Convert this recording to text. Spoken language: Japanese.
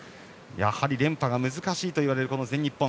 やはり連覇が難しいといわれる全日本。